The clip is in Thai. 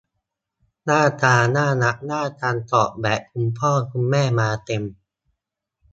หน้าตาน่ารักน่าชังถอดแบบคุณพ่อคุณแม่มาเต็ม